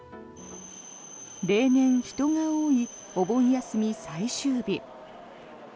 例年、人が多いお盆休み最終日。